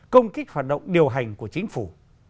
công kích hoạt động điều hành của chính phủ